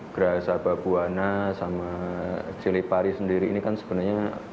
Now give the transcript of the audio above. grasa babuana sama cili pari sendiri ini kan sebenarnya